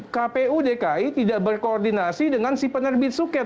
kpu dki tidak berkoordinasi dengan si penerbit suket